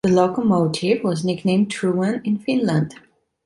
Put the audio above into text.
The locomotive was nicknamed "Truman" in Finland.